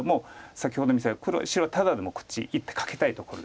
先ほど見せた白ただでもこっち１手かけたいところです。